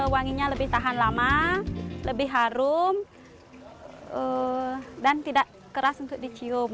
wanginya lebih tahan lama lebih harum dan tidak keras untuk dicium